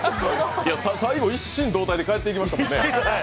最後、一心同体で帰っていきましたもんね。